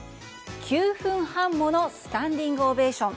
９分半ものスタンディングオベーション。